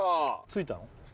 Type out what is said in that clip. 着いたの？